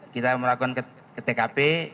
kita melakukan ke tkp